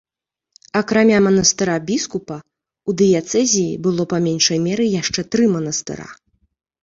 Акрамя манастыра біскупа, у дыяцэзіі было па меншай меры яшчэ тры манастыра.